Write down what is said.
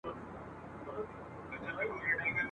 نه یې ږغ سو د چا غوږ ته رسېدلای ..